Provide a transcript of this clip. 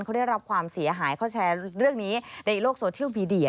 เขาได้รับความเสียหายเขาแชร์เรื่องนี้ในโลกโซเชียลมีเดีย